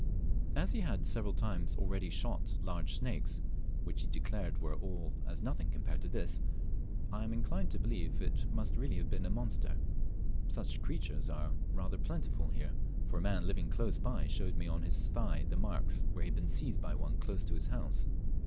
As he lead several times already shot large snakes, which he declared were all as nothing compared with this, I am inclined to believe it must really have been a monster. Such creatures are rather plentiful here, for a man living close by showed me on his thigh the marks where he had been seized by one close to his house.